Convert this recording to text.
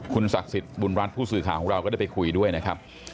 คุณศักดิ์สิทธิ์บุญรัฐผู้สื่อข่าวของเราก็ได้ไปคุยด้วยนะครับ